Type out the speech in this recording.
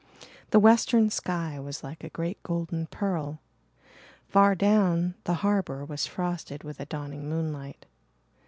The western sky was like a great golden pearl. Far down the harbour was frosted with a dawning moonlight.